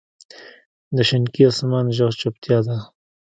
د شینکي اسمان ږغ چوپتیا ده.